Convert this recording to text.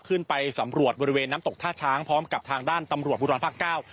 ขึ้นไปสำรวจบริเวณน้ำตกท่าช้างพร้อมกับทางด้านตำรวจภูทรภาคเก้า